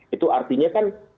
itu artinya kan